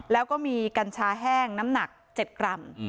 แล้วก็มีกัญชาแห้งน้ำหนัก๗กรัม